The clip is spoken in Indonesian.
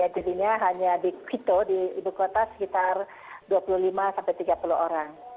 jadinya hanya di quito di ibu kota sekitar dua puluh lima sampai tiga puluh orang